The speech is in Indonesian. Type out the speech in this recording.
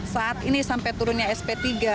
saat ini sampai turunnya sp tiga